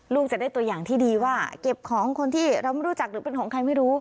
ลูกจะได้ตัวอย่างที่ดีว่าเก็บของคนที่เราไม่รู้จักหรือเป็นของใครไม่รู้